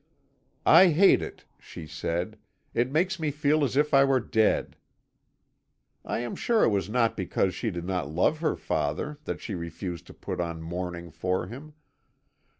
"'I hate it,' she said; 'it makes me feel as if I were dead.' "I am sure it was not because she did not love her father that she refused to put on mourning for him.